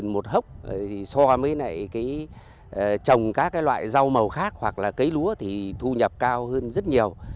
tám trăm linh một hốc thì so với này trồng các loại rau màu khác hoặc là cấy lúa thì thu nhập cao hơn rất nhiều